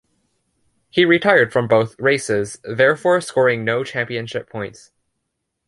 He retired from both races, therefore scoring no championship points.